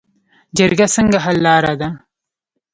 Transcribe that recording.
جرګه څنګه حل لاره ده؟